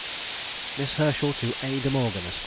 MISS HERSCHEL TO A. DE MORGAN, ESQ.